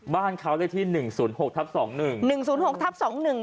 บ้านเขาเลขที่หนึ่งศูนย์หกทับสองหนึ่งหนึ่งศูนย์หกทับสองหนึ่ง